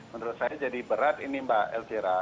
menurut saya jadi berat ini mbak elvira